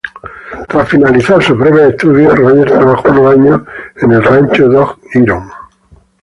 Tras finalizar sus breves estudios, Rogers trabajó unos años en el Rancho Dog Iron.